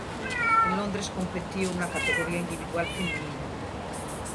En Londres competiu na categoría individual feminina.